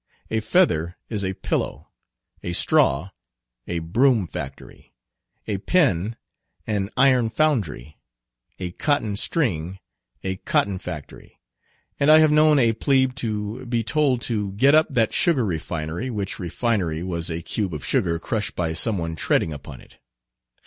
A feather is "a pillow;" a straw, "a broom factory;" a pin, an "iron foundry;" a cotton string, "a cotton factory;" and I have known a "plebe" to be told to "get up that sugar refinery," which "refinery" was a cube of sugar crushed by some one treading upon it.